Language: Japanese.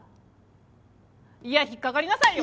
いや引っかかりなさいよ。